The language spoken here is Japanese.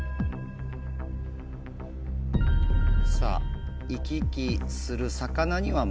さぁ行き来する魚には「○」